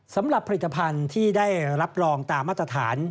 สำหรับผลิตภัณฑ์ที่ได้รับรองตามมาตรฐาน